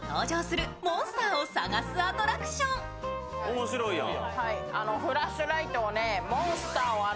面白いやん。